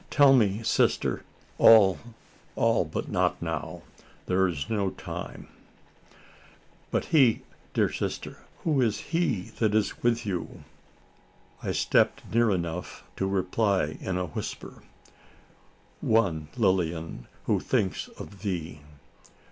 tell me, sister " "All all but not now there is no time." "But he, dear sister? who is he that is with you?" I stepped near enough to reply in a whisper: "One, Lilian, who thinks of thee!"